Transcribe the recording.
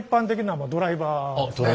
あっドライバー。